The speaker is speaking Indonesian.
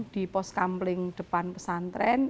di pos kampling depan pesantren